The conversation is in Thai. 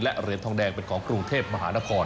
เหรียญทองแดงเป็นของกรุงเทพมหานคร